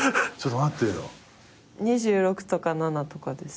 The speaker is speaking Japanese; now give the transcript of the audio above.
２６とか２７とかです。